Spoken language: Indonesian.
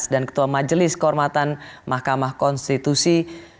dan ketua majelis kehormatan mahkamah konstitusi